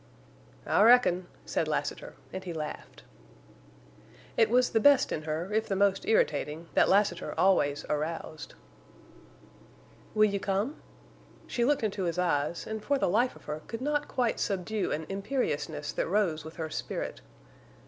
"I reckon," said Lassiter, and he laughed. It was the best in her, if the most irritating, that Lassiter always aroused. "Will you come?" She looked into his eyes, and for the life of her could not quite subdue an imperiousness that rose with her spirit.